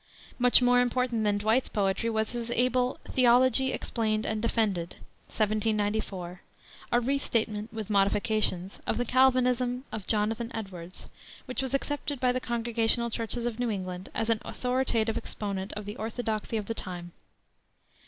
Much more important than Dwight's poetry was his able Theology Explained and Defended, 1794, a restatement, with modifications, of the Calvinism of Jonathan Edwards, which was accepted by the Congregational churches of New England as an authoritative exponent of the orthodoxy of the time.